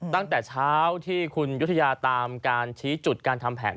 ตั้งแต่เช้าที่คุณยุธยาตามการชี้จุดการทำแผน